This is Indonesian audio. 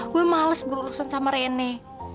gue males berurusan sama reni